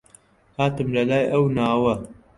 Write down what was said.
هاتم لە لای ئەو ناوە